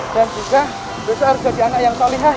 dan juga besok harus jadi anak yang solihah ya